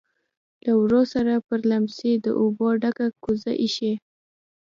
لهٔ ورهٔ سره پر لیمڅي د اوبو ډکه کوزه ایښې.